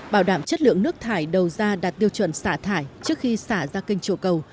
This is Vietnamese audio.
bảo đảm chất lượng nước thải đầu ra đạt tiêu chuẩn xả thải trước khi xả ra kênh chùa cầu